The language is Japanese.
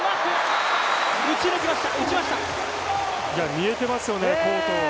見えてますよね、コートを。